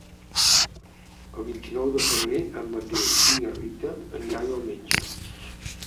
El vint-i-nou de febrer en Mateu i na Rita aniran al metge.